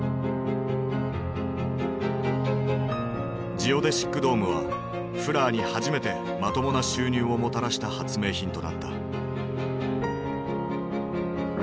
ジオデシックドームはフラーに初めてまともな収入をもたらした発明品となった。